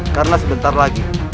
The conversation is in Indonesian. karena sebentar lagi